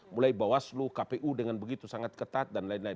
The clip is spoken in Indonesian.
mulai bawaslu kpu dengan begitu sangat ketat dan lain lain